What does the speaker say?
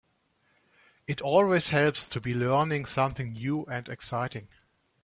It always helps to be learning something new and exciting.